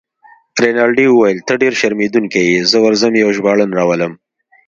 رینالډي وویل: ته ډیر شرمېدونکی يې، زه ورځم یو ژباړن راولم.